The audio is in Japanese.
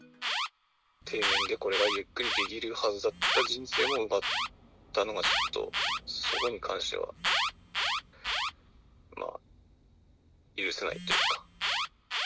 定年でこれからゆっくりできるはずだった人生を奪ったのがちょっと、そこに関しては、許せないというか。